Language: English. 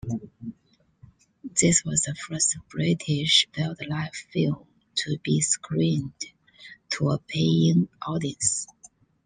This was the first British wildlife film to be screened to a paying audience.